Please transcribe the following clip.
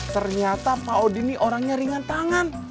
ternyata pak odi ini orangnya ringan tangan